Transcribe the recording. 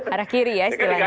arah kiri ya istilahnya